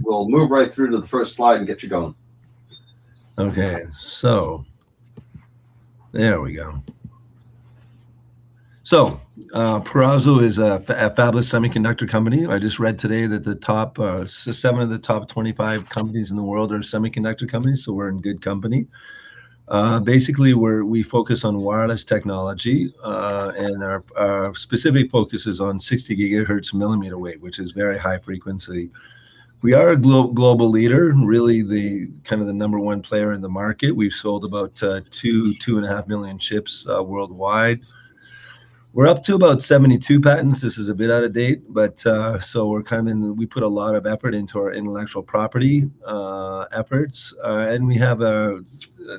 We'll move right through to the first slide and get you going. Okay. There we go. Peraso is a fabless semiconductor company. I just read today that the top seven of the top 25 companies in the world are semiconductor companies, so we're in good company. Basically we focus on wireless technology, and our specific focus is on 60 gigahertz millimeter wave, which is very high frequency. We are a global leader, really the number one player in the market. We've sold about 2.5 million chips worldwide. We're up to about 72 patents. This is a bit out of date, but we put a lot of effort into our intellectual property efforts. We have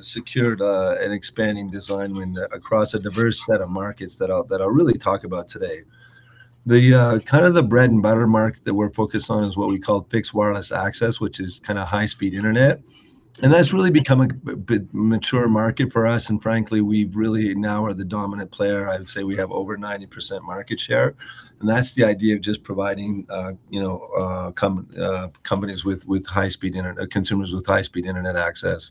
secured an expanding design win across a diverse set of markets that I'll really talk about today. The kind of the bread and butter market that we're focused on is what we call Fixed Wireless Access, which is kinda high-speed internet, and that's really become a mature market for us, and frankly, we really now are the dominant player. I would say we have over 90% market share, and that's the idea of just providing you know companies with high-speed internet, consumers with high-speed internet access.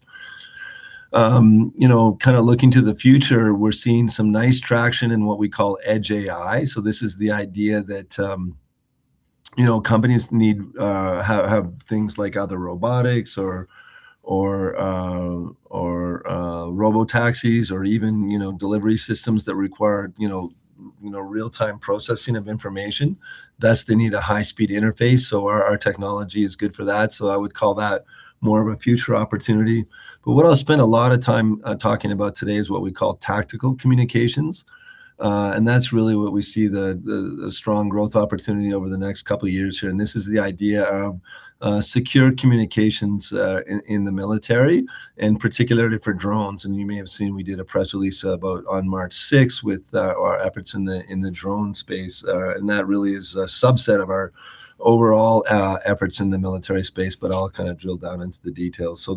You know, kinda looking to the future, we're seeing some nice traction in what we call Edge AI. This is the idea that you know companies need have things like either robotics or robo-taxis or even you know delivery systems that require you know real-time processing of information, thus they need a high-speed interface. Our technology is good for that. I would call that more of a future opportunity. What I'll spend a lot of time talking about today is what we call tactical communications. That's really what we see the strong growth opportunity over the next couple years here, and this is the idea of secure communications in the military, and particularly for drones. You may have seen we did a press release about on March 6th with our efforts in the drone space. That really is a subset of our overall efforts in the military space, but I'll kind of drill down into the details.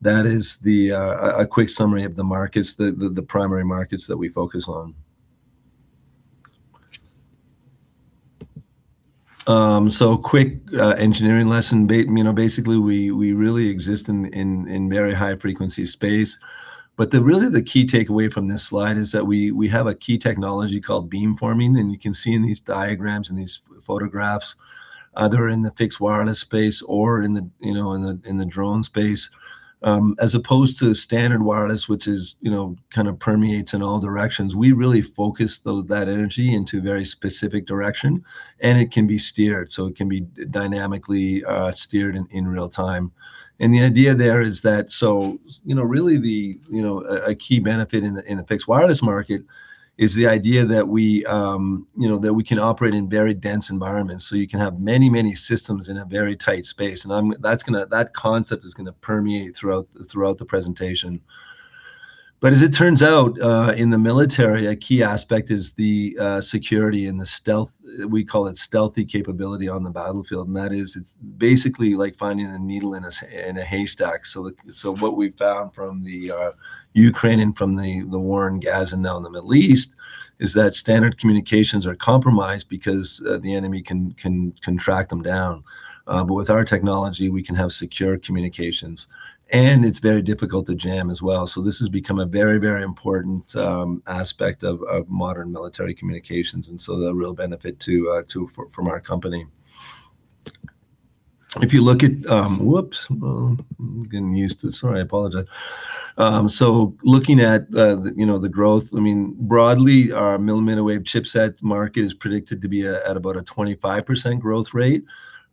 That is a quick summary of the markets, the primary markets that we focus on. Quick engineering lesson. You know, basically, we really exist in very high frequency space. The key takeaway from this slide is that we have a key technology called beamforming, and you can see in these diagrams, in these photographs, either in the fixed wireless space or in the you know, in the drone space. As opposed to standard wireless, which you know, kind of permeates in all directions, we really focus that energy into a very specific direction, and it can be steered, so it can be dynamically steered in real time. The idea there is that, so, you know, really, you know, a key benefit in the fixed wireless market is the idea that we, you know, that we can operate in very dense environments. You can have many systems in a very tight space. That concept is gonna permeate throughout the presentation. As it turns out, in the military, a key aspect is the security and the stealth. We call it stealthy capability on the battlefield, and that is, it's basically like finding a needle in a haystack. What we've found from Ukraine and from the war in Gaza now in the Middle East is that standard communications are compromised because the enemy can track them down. With our technology, we can have secure communications, and it's very difficult to jam as well. This has become a very important aspect of modern military communications, and a real benefit from our company. If you look at, so looking at, you know, the growth, I mean, broadly, our millimeter wave chipset market is predicted to be at about a 25% growth rate.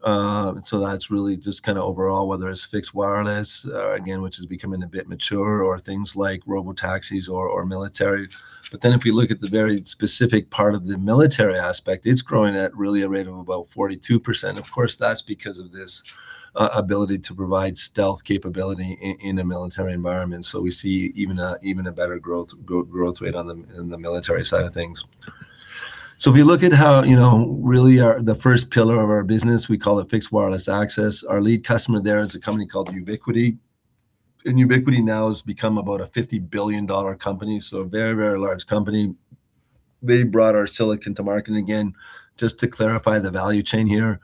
That's really just kinda overall, whether it's Fixed Wireless, again, which is becoming a bit mature, or things like robo-taxis or military. But then if you look at the very specific part of the military aspect, it's growing at really a rate of about 42%. Of course, that's because of this ability to provide stealth capability in a military environment. We see even a better growth rate in the military side of things. If you look at how, you know, really our, the first pillar of our business, we call it Fixed Wireless Access. Our lead customer there is a company called Ubiquiti, and Ubiquiti now has become about a $50 billion company, so a very, very large company. They brought our silicon to market. Again, just to clarify the value chain here,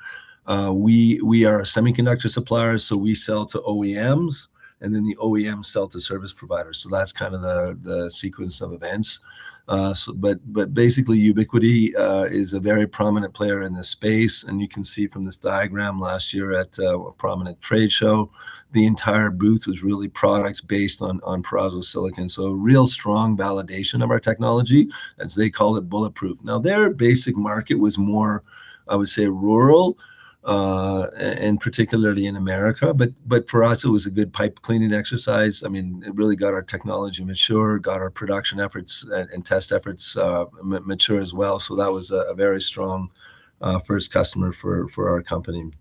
we are a semiconductor supplier, so we sell to OEMs, and then the OEMs sell to service providers. That's kind of the sequence of events. Basically, Ubiquiti is a very prominent player in this space, and you can see from this diagram, last year at a prominent trade show, the entire booth was really products based on Peraso silicon. Real strong validation of our technology, as they called it bulletproof. Now, their basic market was more, I would say, rural and particularly in America. For us, it was a good pipe cleaning exercise. I mean, it really got our technology mature, got our production efforts and test efforts mature as well. That was a very strong first customer for our company.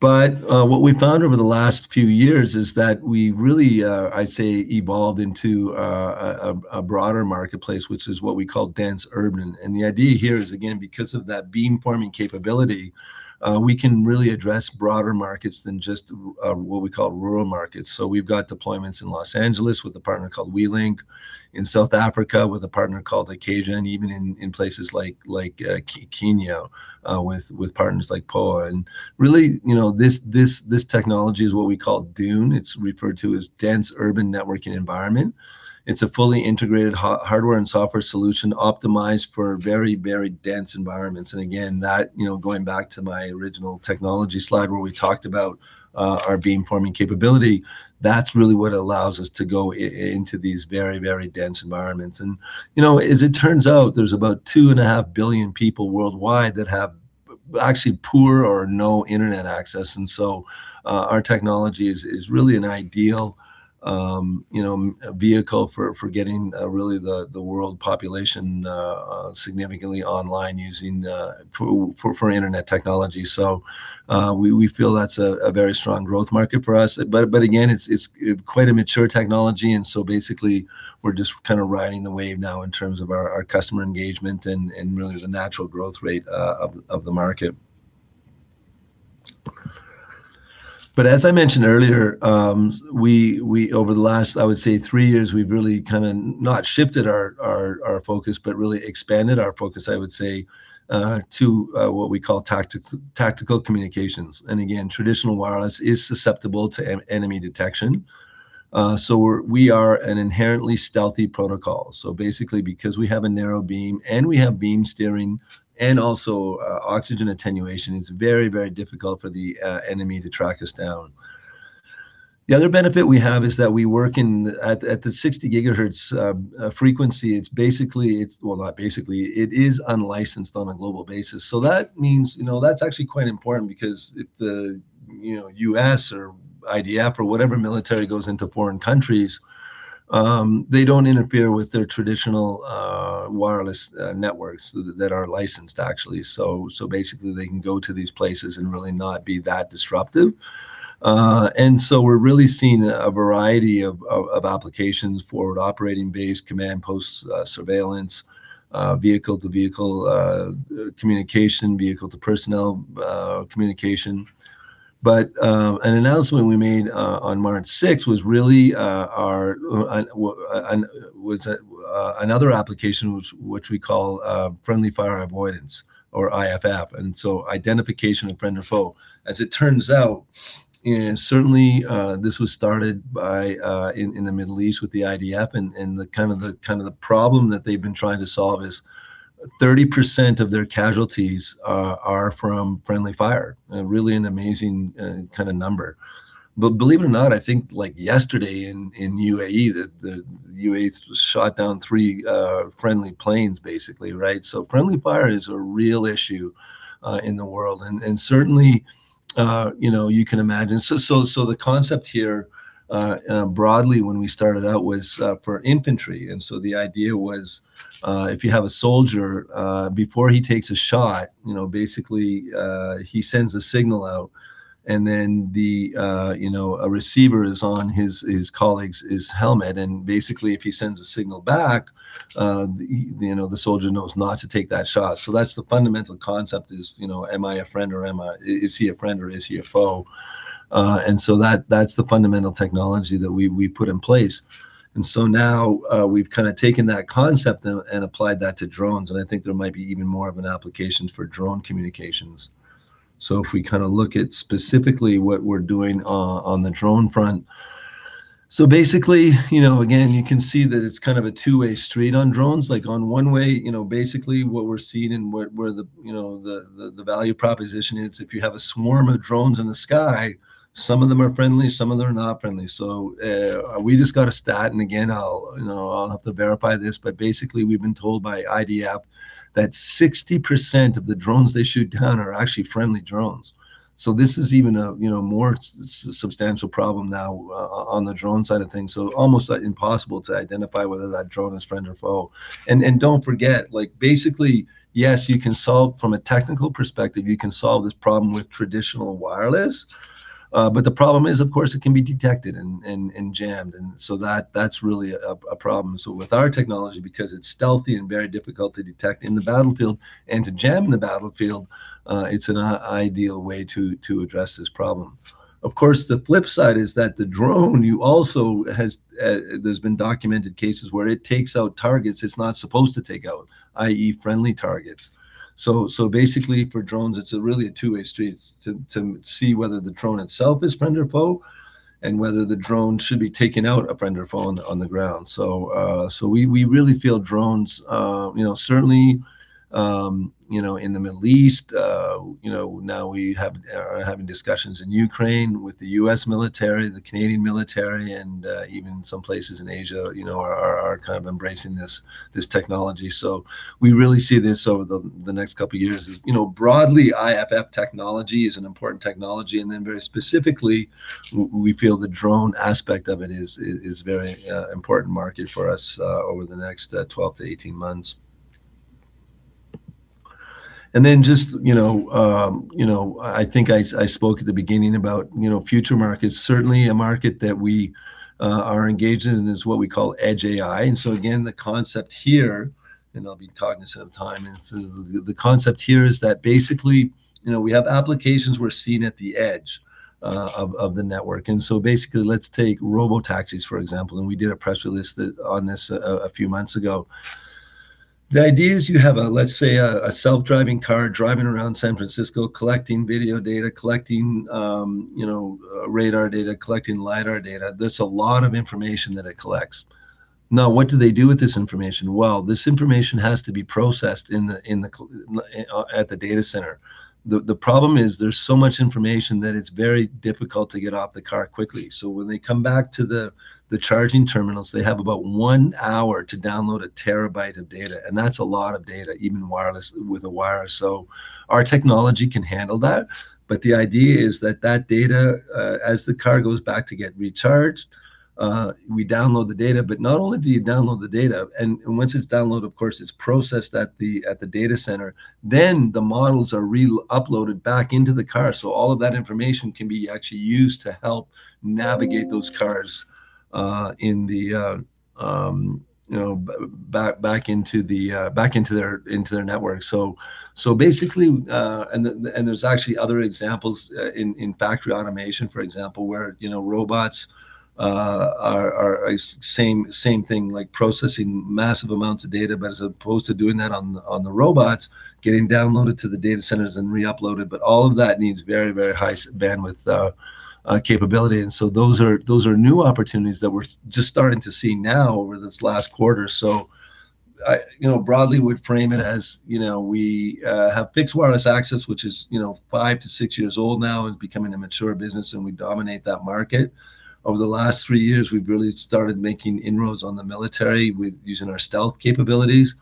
What we found over the last few years is that we really, I'd say, evolved into a broader marketplace, which is what we call dense urban. The idea here is, again, because of that beamforming capability, we can really address broader markets than just what we call rural markets. We've got deployments in Los Angeles with a partner called WeLink, in South Africa with a partner called Occasion, even in places like Kenya with partners like POA. Really, you know, this technology is what we call DUNE. It's referred to as dense urban networking environment. It's a fully integrated hardware and software solution optimized for very, very dense environments. Again, that, you know, going back to my original technology slide where we talked about our beamforming capability, that's really what allows us to go into these very, very dense environments. You know, as it turns out, there's about 2.5 billion people worldwide that have actually poor or no internet access. Our technology is really an ideal, you know, vehicle for getting really the world population significantly online using for internet technology. We feel that's a very strong growth market for us. Again, it's quite a mature technology. Basically, we're just kind of riding the wave now in terms of our customer engagement and really the natural growth rate of the market. As I mentioned earlier, we over the last, I would say, three years, we've really kind of not shifted our focus, but really expanded our focus, I would say, to what we call tactical communications. Again, traditional wireless is susceptible to enemy detection. We are an inherently stealthy protocol. Basically, because we have a narrow beam and we have beam steering and also oxygen attenuation, it's very, very difficult for the enemy to track us down. The other benefit we have is that we work at the 60 gigahertz frequency. It is unlicensed on a global basis. That means, you know, that's actually quite important because if the U.S. or IDF or whatever military goes into foreign countries, they don't interfere with their traditional wireless networks that are licensed, actually. Basically they can go to these places and really not be that disruptive. We're really seeing a variety of applications for operating base command posts, surveillance vehicle to vehicle communication, vehicle to personnel communication. An announcement we made on March 6 was really another application which we call friendly fire avoidance or IFF. Identification of friend or foe, as it turns out, and certainly this was started in the Middle East with the IDF and the kind of the problem that they've been trying to solve is 30% of their casualties are from friendly fire. Really an amazing kind of number. Believe it or not, I think like yesterday in UAE that the UAE shot down three friendly planes, basically. Right. Friendly fire is a real issue in the world. Certainly, you know, you can imagine. The concept here broadly when we started out was for infantry. The idea was if you have a soldier before he takes a shot, you know, basically he sends a signal out and then, you know, a receiver is on his colleague's helmet. Basically, if he sends a signal back, you know, the soldier knows not to take that shot. That's the fundamental concept is, you know, am I a friend or is he a foe? That's the fundamental technology that we put in place. Now we've kind of taken that concept and applied that to drones. I think there might be even more of an application for drone communications. If we kind of look at specifically what we're doing on the drone front. Basically, you know, again, you can see that it's kind of a two way street on drones, like on one way, you know, basically what we're seeing and where the you know, the value proposition is if you have a swarm of drones in the sky, some of them are friendly, some of them are not friendly. We just got a stat. And again, I'll, you know, have to verify this. Basically, we've been told by IDF that 60% of the drones they shoot down are actually friendly drones. This is even a more substantial problem now on the drone side of things. It's almost impossible to identify whether that drone is friend or foe. Don't forget, like basically, yes, you can solve from a technical perspective, you can solve this problem with traditional wireless. But the problem is, of course, it can be detected and jammed. That's really a problem. With our technology, because it's stealthy and very difficult to detect in the battlefield and to jam the battlefield, it's an ideal way to address this problem. Of course, the flip side is that the drone also has. There's been documented cases where it takes out targets it's not supposed to take out, i.e., friendly targets. Basically for drones, it's really a two-way street to see whether the drone itself is friend or foe and whether the drone should be taken out, a friend or foe on the ground. We really feel drones, you know, certainly, you know, in the Middle East, you know, now we have discussions in Ukraine with the U.S. military, the Canadian military and even some places in Asia, you know, are kind of embracing this technology. We really see this over the next couple of years. You know, broadly, IFF technology is an important technology. Then very specifically, we feel the drone aspect of it is very important market for us over the next 12 months to 18 months. Then just, you know, I think I spoke at the beginning about, you know, future markets. Certainly a market that we are engaged in is what we call Edge AI. Again, the concept here, and I'll be cognizant of time, the concept here is that basically, you know, we have applications we're seeing at the edge of the network. Basically let's take robotaxis for example, and we did a press release on this a few months ago. The idea is you have, let's say, a self-driving car driving around San Francisco, collecting video data, collecting you know, radar data, collecting Lidar data. There's a lot of information that it collects. Now, what do they do with this information? Well, this information has to be processed at the data center. The problem is there's so much information that it's very difficult to get off the car quickly. When they come back to the charging terminals, they have about one hour to download a terabyte of data, and that's a lot of data, even wireless, with a wire. Our technology can handle that, but the idea is that that data, as the car goes back to get recharged, we download the data, but not only do you download the data, once it's downloaded, of course, it's processed at the data center, then the models are re-uploaded back into the car. All of that information can be actually used to help navigate those cars, you know, back into their network. Basically, There's actually other examples in factory automation, for example, where you know robots are the same thing, like processing massive amounts of data, but as opposed to doing that on the robots, getting downloaded to the data centers and re-uploaded. All of that needs very high bandwidth capability. Those are new opportunities that we're just starting to see now over this last quarter or so. I you know broadly would frame it as you know we have Fixed Wireless Access, which is you know 5-6 years old now and becoming a mature business, and we dominate that market. Over the last 3 years, we've really started making inroads on the military with using our stealth capabilities.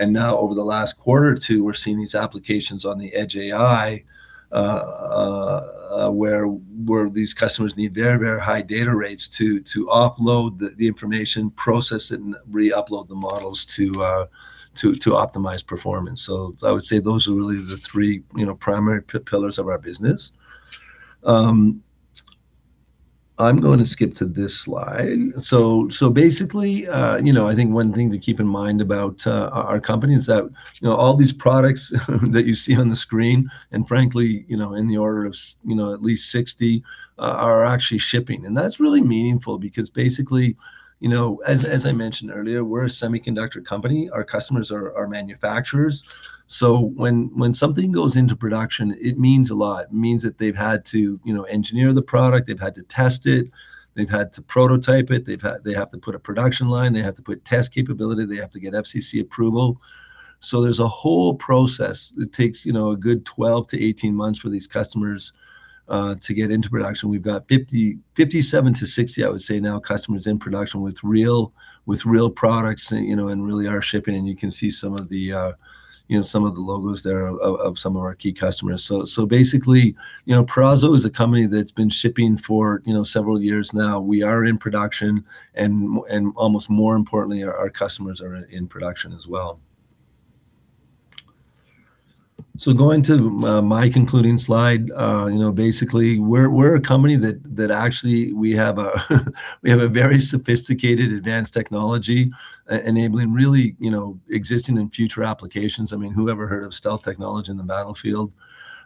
Now over the last quarter or two, we're seeing these applications on the Edge AI, where these customers need very high data rates to offload the information, process it, and re-upload the models to optimize performance. I would say those are really the three, you know, primary pillars of our business. I'm going to skip to this slide. Basically, you know, I think one thing to keep in mind about our company is that, you know, all these products that you see on the screen, and frankly, you know, in the order of, say, you know, at least 60, are actually shipping. That's really meaningful because basically, you know, as I mentioned earlier, we're a semiconductor company. Our customers are our manufacturers. When something goes into production, it means a lot. It means that they've had to, you know, engineer the product, they've had to test it, they've had to prototype it, they have to put a production line, they have to put test capability, they have to get FCC approval. There's a whole process. It takes, you know, a good 12 months-18 months for these customers to get into production. We've got, 57-60, I would say now, customers in production with real products and, you know, really are shipping. You can see some of the logos there of some of our key customers. Basically, you know, Peraso is a company that's been shipping for, you know, several years now. We are in production, and almost more importantly, our customers are in production as well. Going to my concluding slide, you know, basically we're a company that actually we have a very sophisticated, advanced technology enabling really, you know, existing and future applications. I mean, whoever heard of stealth technology in the battlefield?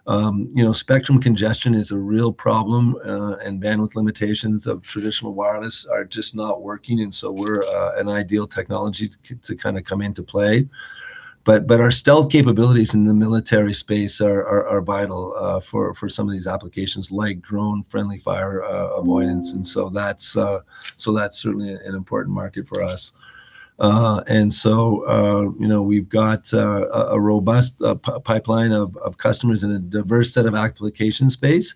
You know, spectrum congestion is a real problem, and bandwidth limitations of traditional wireless are just not working, and so we're an ideal technology to kind of come into play. Our stealth capabilities in the military space are vital for some of these applications like drone friendly fire avoidance. That's certainly an important market for us. You know, we've got a robust pipeline of customers in a diverse set of application space.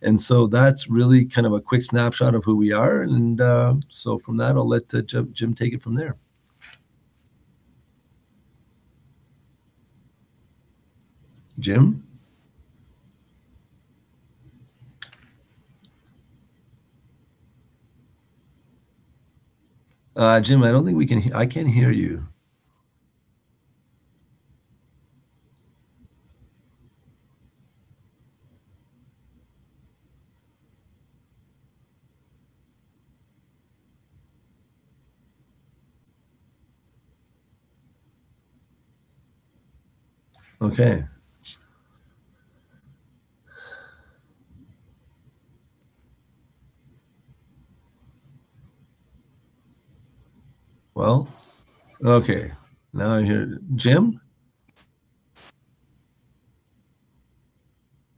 That's really kind of a quick snapshot of who we are. From that, I'll let Jim take it from there. Jim? Jim, I don't think we can hear you. I can't hear you. Okay. Well, now I hear. Jim?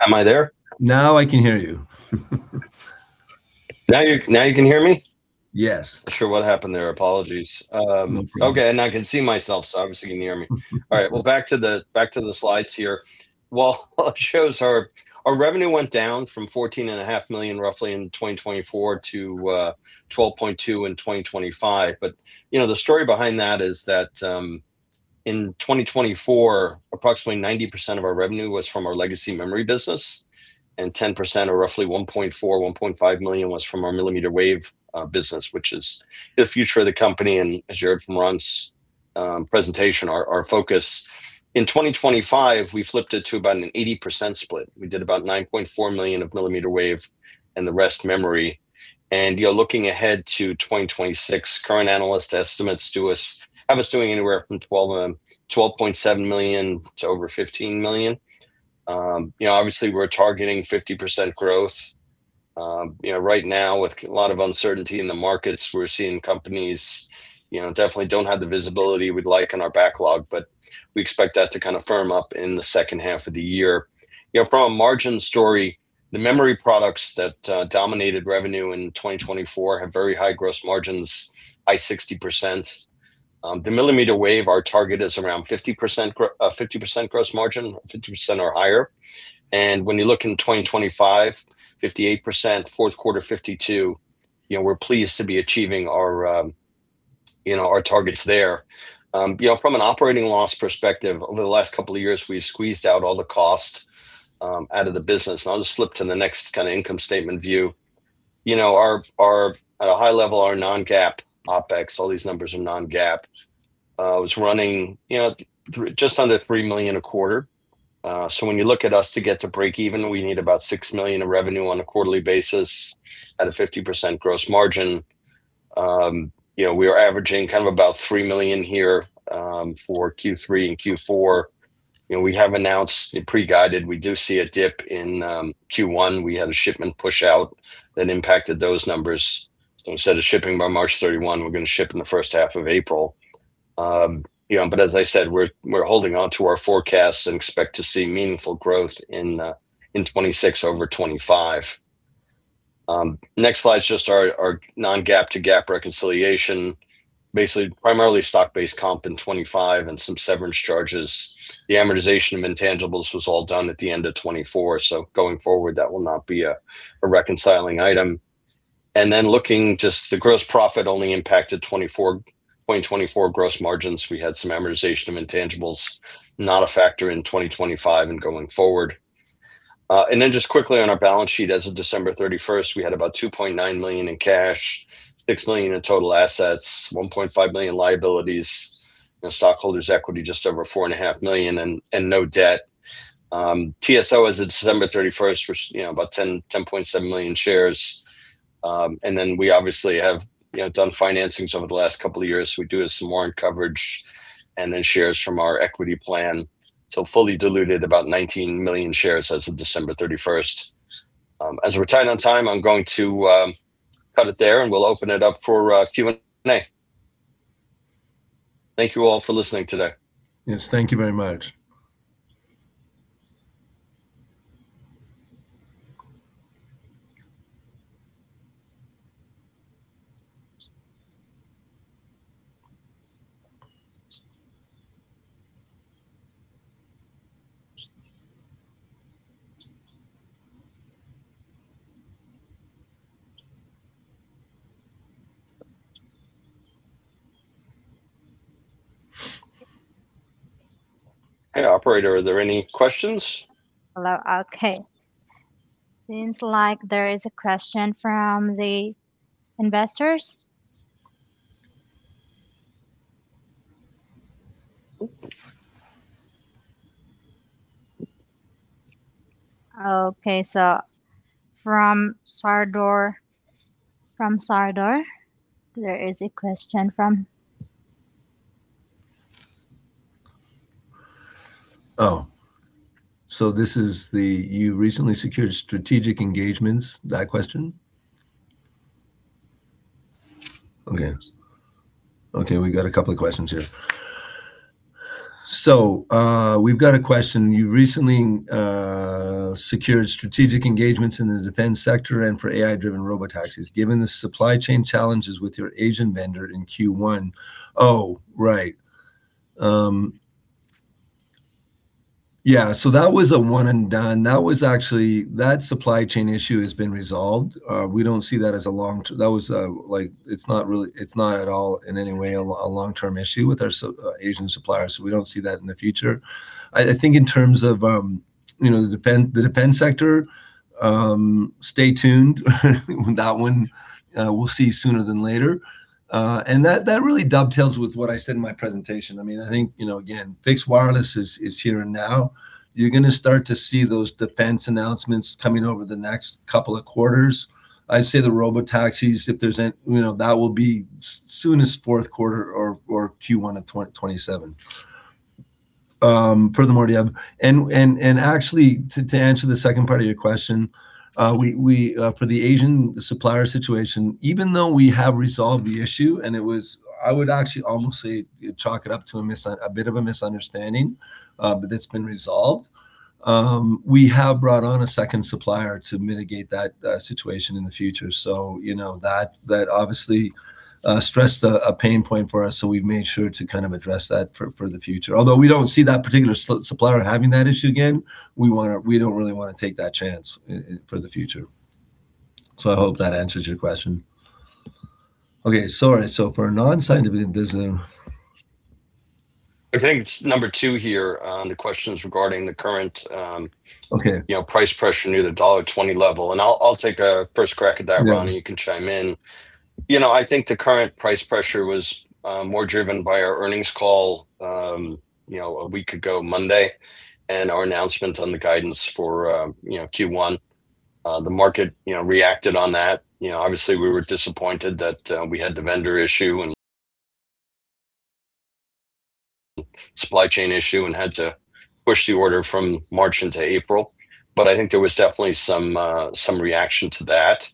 Am I there? Now I can hear you. Now you can hear me? Yes. Not sure what happened there. Apologies. No problem. Okay. I can see myself, so obviously you can hear me. All right. Well, back to the slides here. Well, it shows our revenue went down from $14.5 million roughly in 2024 to $12.2 million in 2025. You know, the story behind that is that in 2024, approximately 90% of our revenue was from our legacy memory business, and 10%, or roughly $1.4 milliom-$1.5 million was from our millimeter wave business, which is the future of the company. As you heard from Ron's presentation, our focus. In 2025, we flipped it to about an 80% split. We did about $9.4 million of millimeter wave and the rest memory. Looking ahead to 2026, current analyst estimates to us have us doing anywhere from $12.7 million to over $15 million. You know, obviously we're targeting 50% growth. You know, right now with a lot of uncertainty in the markets, we're seeing companies, you know, definitely don't have the visibility we'd like in our backlog, but we expect that to kind of firm up in the second half of the year. You know, from a margin story, the memory products that dominated revenue in 2024 have very high gross margins, high 60%. The millimeter wave, our target is around 50% gross margin, 50% or higher. When you look in 2025, 58%, fourth quarter 52%, you know, we're pleased to be achieving our targets there. You know, from an operating loss perspective, over the last couple of years, we've squeezed out all the cost out of the business. I'll just flip to the next kind of income statement view. You know, at a high level, our non-GAAP OpEx, all these numbers are non-GAAP, was running, you know, just under $3 million a quarter. When you look at us to get to break even, we need about $6 million of revenue on a quarterly basis at a 50% gross margin. You know, we are averaging kind of about $3 million here for Q3 and Q4. You know, we have announced and pre-guided, we do see a dip in Q1. We had a shipment pushout that impacted those numbers. Instead of shipping by March 31, we're gonna ship in the first half of April. You know, but as I said, we're holding on to our forecasts and expect to see meaningful growth in 2026 over 2025. Next slide's just our non-GAAP to GAAP reconciliation. Basically, primarily stock-based comp in 2025 and some severance charges. The amortization of intangibles was all done at the end of 2024, so going forward, that will not be a reconciling item. Looking just the gross profit only impacted 2024. Twenty twenty four gross margins, we had some amortization of intangibles, not a factor in 2025 and going forward. Just quickly on our balance sheet, as of December 31st, we had about $2.9 million in cash, $6 million in total assets, $1.5 million in liabilities, and stockholders' equity just over $4.5 million, and no debt. TSO as of December 31st was, you know, about 10.7 million shares. And then we obviously have, you know, done financings over the last couple of years. We do have some warrant coverage and then shares from our equity plan, so fully diluted about 19 million shares as of December 31st. As we're tight on time, I'm going to cut it there, and we'll open it up for Q&A. Thank you all for listening today. Yes. Thank you very much. Hey, operator, are there any questions? Hello. Okay. Seems like there is a question from the investors. Okay. From Sardar, there is a question from... Oh, so this is the you recently secured strategic engagements that question? Okay. Okay, we got a couple of questions here. We've got a question. You recently secured strategic engagements in the defense sector and for AI-driven robotaxis, given the supply chain challenges with your Asian vendor in Q1. Oh, right. Yeah, that was a one and done. That was actually. That supply chain issue has been resolved. Like, it's not at all in any way a long-term issue with our Asian suppliers. We don't see that in the future. I think in terms of you know the defense sector, stay tuned with that one. We'll see sooner than later. That really dovetails with what I said in my presentation. I mean, I think, you know, again, Fixed Wireless is here and now. You're gonna start to see those defense announcements coming over the next couple of quarters. I'd say the robotaxis, if there's—you know, that will be as soon as fourth quarter or Q1 of 2027. Furthermore, actually to answer the second part of your question, we for the Asian supplier situation, even though we have resolved the issue. I would actually almost say chalk it up to a bit of a misunderstanding, but that's been resolved. We have brought on a second supplier to mitigate that situation in the future. You know, that obviously stressed a pain point for us, so we've made sure to kind of address that for the future. Although we don't see that particular supplier having that issue again, we don't really wanna take that chance for the future. I hope that answers your question. Okay. Sorry. For non-scientific... I think it's number two here, the question's regarding the current- Okay. ...you know, price pressure near the $1.20 level. I'll take a first crack at that. Yeah. Ron, and you can chime in. You know, I think the current price pressure was more driven by our earnings call, you know, a week ago Monday, and our announcement on the guidance for, you know, Q1. The market, you know, reacted on that. You know, obviously we were disappointed that we had the vendor issue and supply chain issue and had to push the order from March into April. I think there was definitely some reaction to that.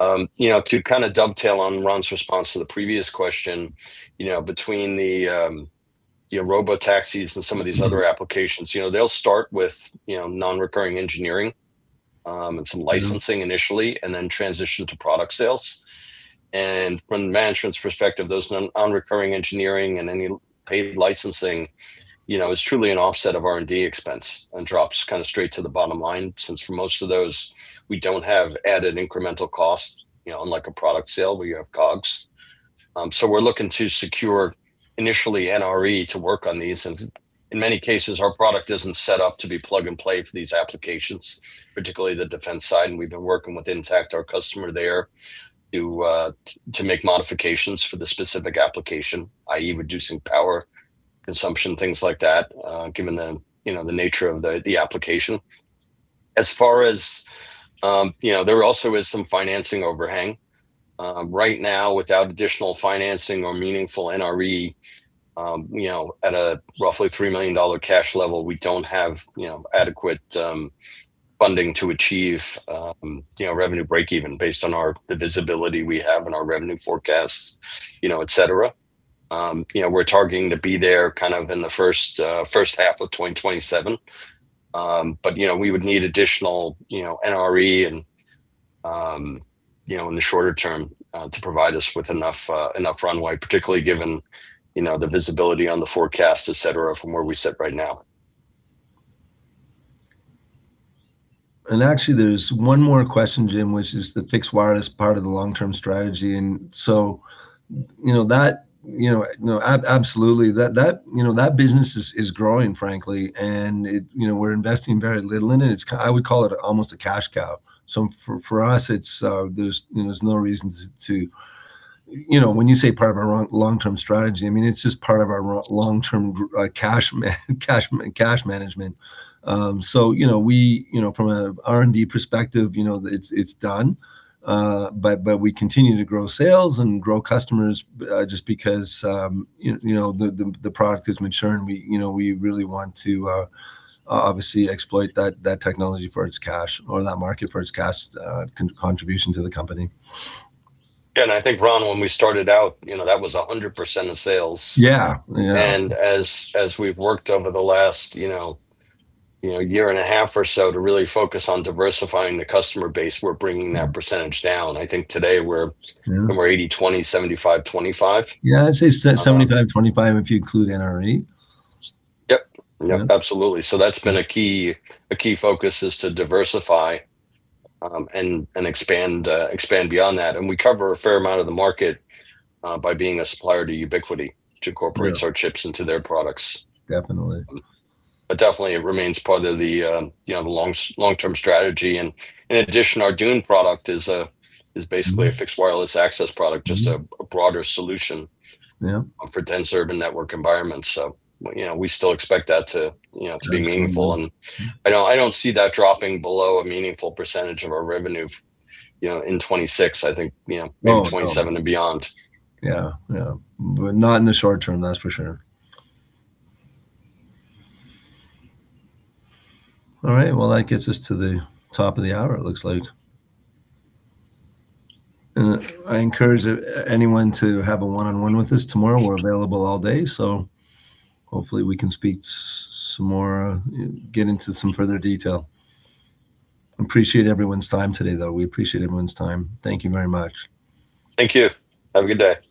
You know, to kind of dovetail on Ron's response to the previous question, you know, between the, you know, robotaxis and some of these other applications, you know, they'll start with, you know, non-recurring engineering, and some licensing. Mm-hmm. Initially and then transition to product sales. From management's perspective, those non-recurring engineering and any paid licensing, you know, is truly an offset of R&D expense and drops kind of straight to the bottom line, since for most of those we don't have added incremental costs, you know, unlike a product sale where you have COGS. So we're looking to secure initially NRE to work on these, since in many cases our product isn't set up to be plug and play for these applications, particularly the defense side. We've been working with IgniteNet, our customer there, to to make modifications for the specific application, i.e. reducing power consumption, things like that, uh, given the, you know, the nature of the application. As far as, you know, there also is some financing overhang. Right now without additional financing or meaningful NRE, you know, at a roughly $3 million cash level, we don't have, you know, adequate funding to achieve, you know, revenue breakeven based on the visibility we have and our revenue forecasts, you know, et cetera. You know, we're targeting to be there kind of in the first half of 2027. You know, we would need additional, you know, NRE and, you know, in the shorter term to provide us with enough runway, particularly given, you know, the visibility on the forecast, et cetera, from where we sit right now. Actually, there's one more question, Jim, which is the fixed wireless part of the long-term strategy. You know that, you know, no, absolutely. That, that, you know, that business is growing, frankly. It, you know, we're investing very little in it. I would call it almost a cash cow. For us, it's, there's, you know, there's no reason to. You know, when you say part of our long-term strategy, I mean, it's just part of our long-term cash management. You know, we, you know, from a R&D perspective, you know, it's done. But we continue to grow sales and grow customers, just because, you know, the product is maturing. We, you know, we really want to obviously exploit that technology for its cash or that market for its cash contribution to the company. I think, Ron, when we started out, you know, that was 100% of sales. Yeah. As we've worked over the last you know year and a half or so to really focus on diversifying the customer base, we're bringing that percentage down. I think today we're- Yeah. we're 80/20, 75/25. Yeah, I'd say. Um- 75/25 if you include NRE. Yep. Yeah. Absolutely. That's been a key focus is to diversify and expand beyond that. We cover a fair amount of the market by being a supplier to Ubiquiti- Yeah. ...to incorporates our chips into their products. Definitely. Definitely it remains part of the long-term strategy. In addition, our DUNE product is basically- Mm-hmm. ...a Fixed Wireless Access product- Mm-hmm. ...just a broader solution- Yeah.... for Dense Urban Networking Environments, so, you know, we still expect that to, you know, to be meaningful. That's true. Mm-hmm. I don't see that dropping below a meaningful percentage of our revenue you know, in 2026. I think, you know- Oh, sure. ...maybe 2027 and beyond. Yeah. Yeah. Not in the short term, that's for sure. All right. Well, that gets us to the top of the hour it looks like. I encourage anyone to have a one-on-one with us tomorrow. We're available all day, so hopefully we can speak some more, you know, get into some further detail. I appreciate everyone's time today though. We appreciate everyone's time. Thank you very much. Thank you. Have a good day.